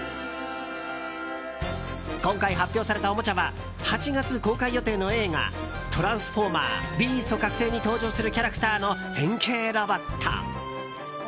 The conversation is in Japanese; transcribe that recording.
今回発表されたおもちゃは８月公開予定の映画「トランスフォーマー／ビースト覚醒」に登場するキャラクターの変形ロボット。